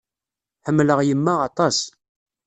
Ḥemmleɣ yemma aṭas.